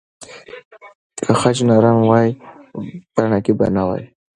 که خج نرم وای، بڼکه به نه وای.